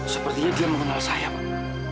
sepertinya dia mengenal saya pak